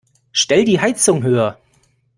Stell die Heizung höher.